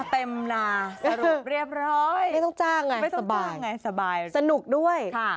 เต็มนาสรุปเรียบร้อย